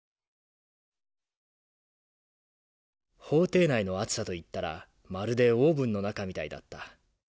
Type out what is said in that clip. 「法廷内の暑さといったらまるでオーブンの中みたいだった。